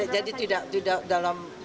jadi tidak dalam